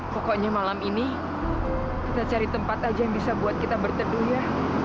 pokoknya malam ini kita cari tempat aja yang bisa buat kita berteduh ya